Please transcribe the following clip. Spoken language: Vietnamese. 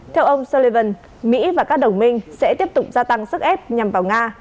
theo ông sullivan mỹ và các đồng minh sẽ tiếp tục gia tăng sức ép nhằm vào nga